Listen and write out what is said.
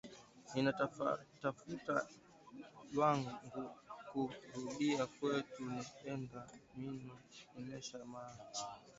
Mina tafuta lwangu ku rudia kwetu ni ende nimu oneshe mama